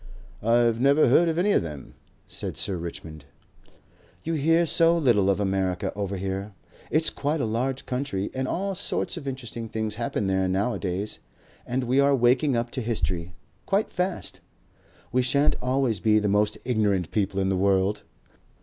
"I've never heard of any of them," said Sir Richmond. "You hear so little of America over here. It's quite a large country and all sorts of interesting things happen there nowadays. And we are waking up to history. Quite fast. We shan't always be the most ignorant people in the world.